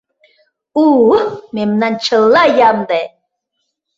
У-у, мемнан чыла ямде!